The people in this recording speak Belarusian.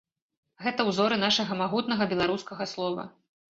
Гэта ўзоры нашага магутнага беларускага слова.